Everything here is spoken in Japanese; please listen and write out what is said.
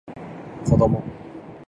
子供